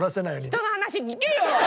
人の話聞けよ！